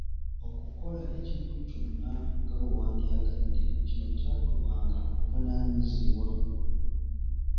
Okukola ekintu kyonna nga bwewandyagadde, kino kyatuwanga obuvunaanyizibwa.